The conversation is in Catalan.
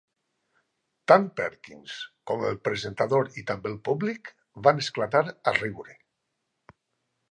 Tant Perkins com el presentador i també el públic van esclatar a riure.